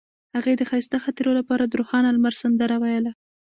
هغې د ښایسته خاطرو لپاره د روښانه لمر سندره ویله.